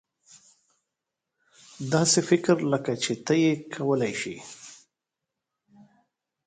داسې فکر لکه چې ته یې کولای شې.